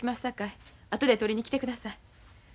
さかい後で取りに来てください。